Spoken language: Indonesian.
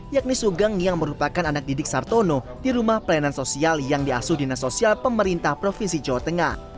yakni sugeng yang merupakan anak didik sartono di rumah pelayanan sosial yang diasuh dinas sosial pemerintah provinsi jawa tengah